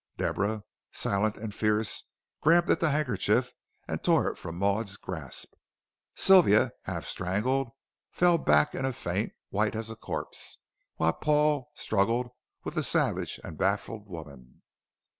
Deborah, silent and fierce, grabbed at the handkerchief, and tore it from Maud's grasp. Sylvia, half strangled, fell back in a faint, white as a corpse, while Paul struggled with the savage and baffled woman.